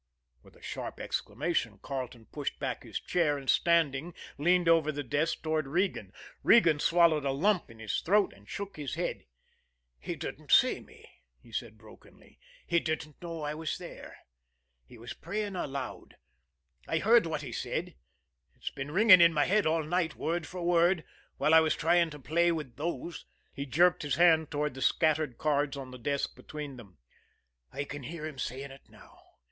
With a sharp exclamation, Carleton pushed back his chair, and, standing, leaned over the desk toward Regan. Regan swallowed a lump in his throat and shook his head. "He didn't see me," he said brokenly, "he didn't know I was there. He was praying aloud. I heard what he said. It's been ringing in my head all night, word for word, while I was trying to play with those" he jerked his hand toward the scattered cards on the desk between them. "I can hear him saying it now.